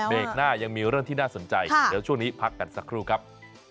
เบรกหน้ายังมีเรื่องน่าสนใจก็ช่วงนี้พักงานสักครู่กับ